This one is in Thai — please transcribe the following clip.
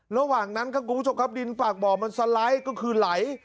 ระหว่างนั้นครับคุณผู้ชมครับดินปากบ่อมันสไลด์ก็คือไหล